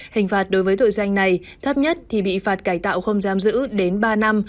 hình phạt đối với tội danh này thấp nhất thì bị phạt cải tạo không giam giữ đến ba năm